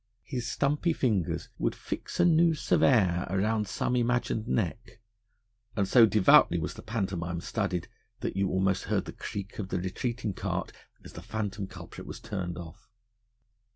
His stumpy fingers would fix a noose of air round some imagined neck, and so devoutly was the pantomime studied that you almost heard the creak of the retreating cart as the phantom culprit was turned off.